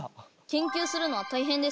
研究するのは大変ですか？